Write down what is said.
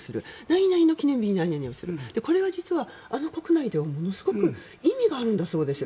何々の記念日に何をするこれは実は、あの国内ではものすごく意味があるんだそうです。